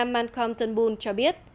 malcolm turnbull cho biết